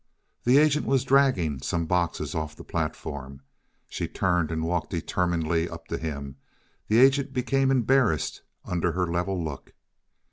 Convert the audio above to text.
The agent was dragging some boxes off the platform. She turned and walked determinedly up to him, and the agent became embarrassed under her level look.